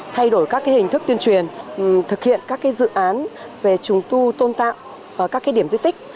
thay đổi các hình thức tuyên truyền thực hiện các dự án về trùng tu tôn tạo các điểm di tích